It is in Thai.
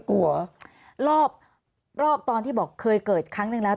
กลัวรอบรอบตอนที่บอกเคยเกิดครั้งหนึ่งแล้ว